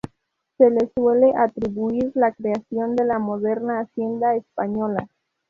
Se le suele atribuir la creación de la moderna Hacienda española.